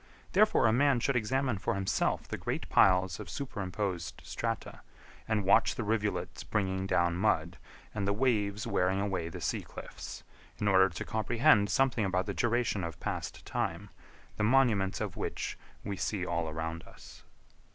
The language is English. Therefore a man should examine for himself the great piles of superimposed strata, and watch the rivulets bringing down mud, and the waves wearing away the sea cliffs, in order to comprehend something about the duration of past time, the monuments of which we see all around us.